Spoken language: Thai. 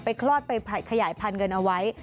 คลอดไปขยายพันธุ์กันเอาไว้